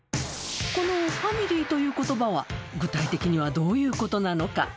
この「ファミリー」という言葉は具体的にはどういうことなのか？